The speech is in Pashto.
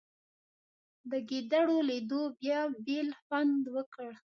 د ګېډړو لیدو بیا بېل خوند وکړ.